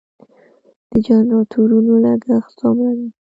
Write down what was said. د جنراتورونو لګښت څومره دی؟